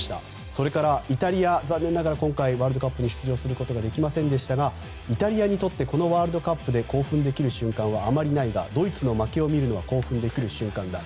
それからイタリア、残念ながら今回ワールドカップに出場することができませんでしたがイタリアにとってこのワールドカップで興奮できる瞬間はあまりないがドイツの負けを見るのは興奮できる瞬間だ。